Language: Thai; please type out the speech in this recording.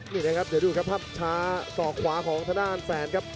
นี่นะครับเดี๋ยวดูครับภาพช้าสอกขวาของทางด้านแสนครับ